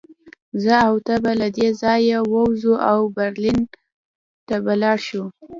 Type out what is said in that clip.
زه او ته به له دې ځایه ووځو او برلین ته به لاړ شو